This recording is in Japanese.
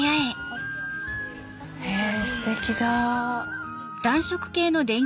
へぇステキだ。